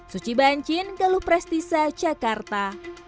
suci banci geluh prestisa jakarta